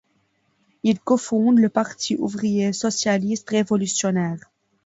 Il cofonde le Parti ouvrier socialiste révolutionnaire.